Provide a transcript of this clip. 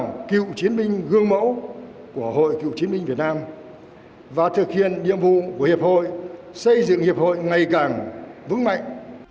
các cựu chiến binh gương mẫu của hội cựu chiến binh việt nam và thực hiện nhiệm vụ của hiệp hội xây dựng hiệp hội ngày càng vững mạnh